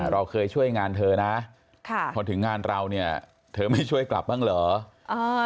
เราเคยช่วยงานเธอนะพอถึงงานเราเนี่ยเธอไม่ช่วยกลับบ้างเหรอ